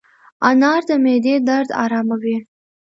انار د معدې درد اراموي.